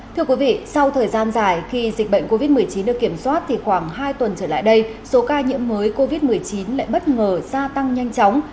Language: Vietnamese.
thưa quý vị sau thời gian dài khi dịch bệnh covid một mươi chín được kiểm soát thì khoảng hai tuần trở lại đây số ca nhiễm mới covid một mươi chín lại bất ngờ gia tăng nhanh chóng